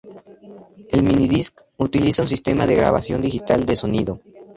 El minidisc utiliza un sistema de grabación digital de sonido.